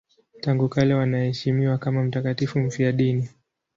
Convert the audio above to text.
Tangu kale wanaheshimiwa kama mtakatifu mfiadini.